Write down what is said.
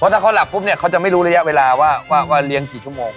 ถ้าเขาหลับปุ๊บเนี่ยเขาจะไม่รู้ระยะเวลาว่าเลี้ยงกี่ชั่วโมง